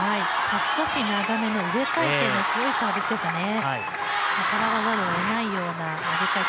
少し長めの上回転が強いサービスでしたね。